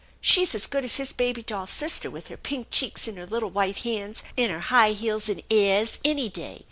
She's as good as his baby doll sister with her pink cheeks, and her little white hands, and her high heels and airs, any day